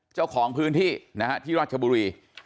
เจ้าของพื้นที่นะฮะที่ราชบุรี